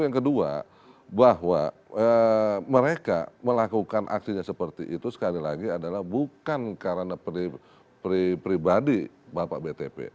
yang kedua bahwa mereka melakukan aksinya seperti itu sekali lagi adalah bukan karena pribadi bapak btp